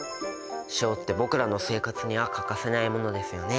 塩って僕らの生活には欠かせないものですよね。